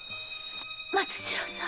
松次郎さん